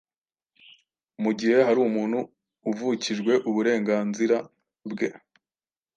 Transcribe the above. Mu gihe hari umuntu uvukijwe uburenganzira bwe